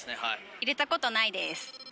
入れたことないです。